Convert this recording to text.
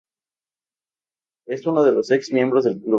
Es uno de los ex-miembros del club.